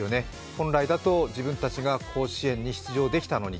本来だと自分たちが甲子園に出場できたのに。